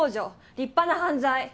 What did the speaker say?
立派な犯罪。